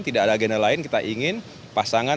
tidak ada agenda lain kita ingin pasangan